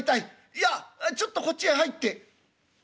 いやちょっとこっちへ入って」。